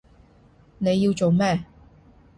你要做咩？